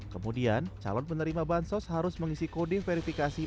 kemudian calon penerima bansos harus mengisi kode verifikasi